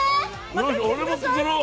よし俺も作ろう。